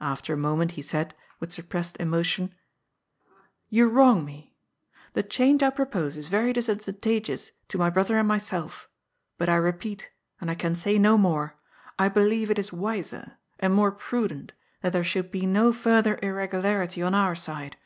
After a moment he said, with suppressed emotion :" You wrong me. The change I propose is very disadvantageous to my brother and myself. But I repeat, and I can say no more, I believe it is wiser, and more prudent, that there should be no further irregularity on our side.